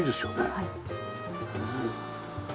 はい。